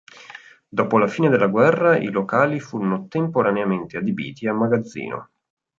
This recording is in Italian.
Dopo la fine della guerra i locali furono temporaneamente adibiti a magazzino.